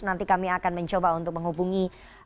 nanti kami akan mencoba untuk menghubungi